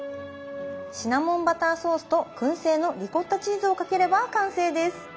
シナモンバターソースとくん製のリコッタチーズをかければ完成です！